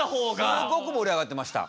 すごく盛り上がってました。